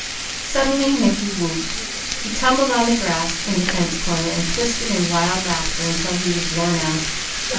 Suddenly Mickey whooped. He tumbled on the grass in the fence corner and twisted in wild laughter until he was worn out.